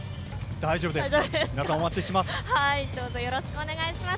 大丈夫です。